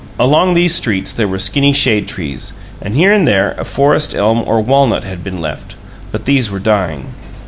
Along these streets there were skinny shade trees, and here and there a forest elm or walnut had been left; but these were dying.